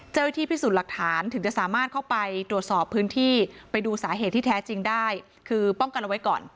เจ้าหน้าที่พิสูจน์หลักฐานถึงจะสามารถเข้าไปตรวจสอบพื้นที่ไปดูสาเหตุที่แท้จริงได้คือป้องกันเอาไว้ก่อน